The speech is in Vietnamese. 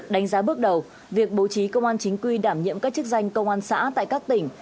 đánh giá bước đầu việc bố trí công an chính quy đảm nhiệm các chức danh công an xã tại các tỉnh